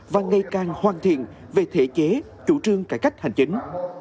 và ngày càng hoàn thiện về thể chế chủ trương cải cách hành chính